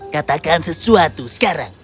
katakan sesuatu sekarang